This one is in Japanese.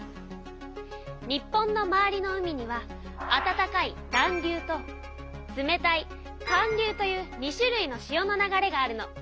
日本の周りの海にはあたたかい暖流と冷たい寒流という２種類の潮の流れがあるの。